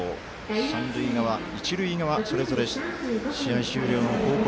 三塁側、一塁側それぞれ試合終了の報告。